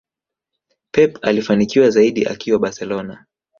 Pep alifanikiwa zaidi akiwa barcelona